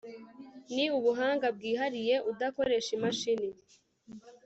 ni ubuhanga bwihariye udakoresha imashini